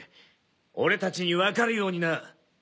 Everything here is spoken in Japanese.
俺たちにわかるようにな！